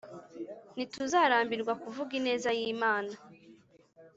Ntituzarambirwa kuvuga ineza y’Imana